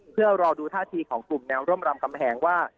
เพื่อรอดูท่าทีของกลุ่มแนวร่มรำกำแหงว่า